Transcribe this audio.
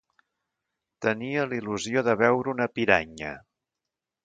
Tenia l'il·lusió de veure una piranya.